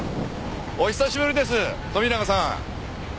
お久しぶりです富永さん。